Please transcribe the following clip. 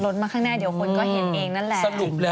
มาข้างหน้าเดี๋ยวคนก็เห็นเองนั่นแหละ